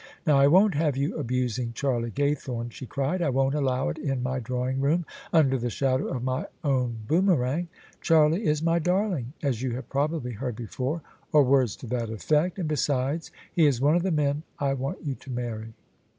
" Now I won't have you abusing Charlie Gaythome," she cried :" I won't allow it in my drawing room under the shadow of my own boomerang! Charlie is my darling, as you have probably heard before, or words to that effect: and besides he is one of the men I want you to marry."